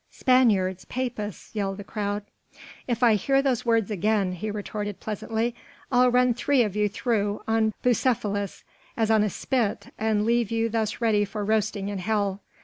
"Spaniards! Papists!" yelled the crowd. "If I hear those words again," he retorted pleasantly, "I'll run three of you through on Bucephalus as on a spit, and leave you thus ready for roasting in hell.